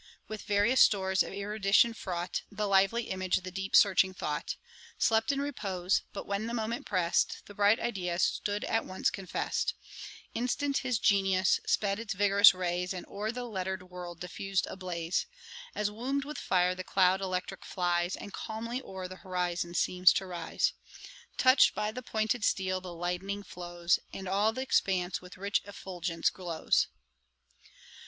With various stores of erudition fraught, The lively image, the deep searching thought, Slept in repose; but when the moment press'd, The bright ideas stood at once confess'd; Instant his genius sped its vigorous rays, And o'er the letter'd world diffus'd a blaze: As womb'd with fire the cloud electrick flies, And calmly o'er th' horizon seems to rise; Touch'd by the pointed steel, the lightning flows, And all th' expanse with rich effulgence glows.'